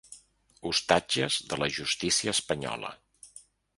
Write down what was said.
Ostatges de la justícia espanyola